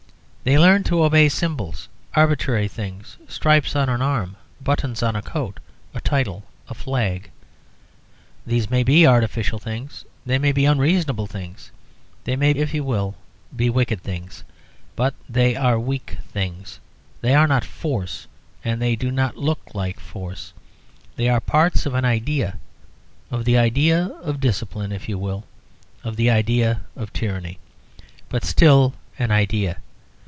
They learn to obey symbols, arbitrary things, stripes on an arm, buttons on a coat, a title, a flag. These may be artificial things; they may be unreasonable things; they may, if you will, be wicked things; but they are weak things. They are not Force, and they do not look like Force. They are parts of an idea: of the idea of discipline; if you will, of the idea of tyranny; but still an idea.